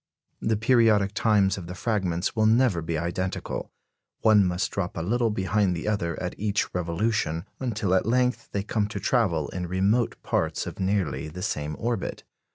The periodic times of the fragments will never be identical; one must drop a little behind the other at each revolution, until at length they come to travel in remote parts of nearly the same orbit.